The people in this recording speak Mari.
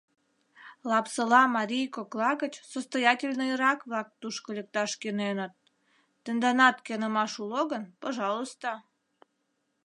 Лапсола марий кокла гыч состоятельныйрак-влак тушко лекташ кӧненыт, тенданат кӧнымаш уло гын, пожалуйста.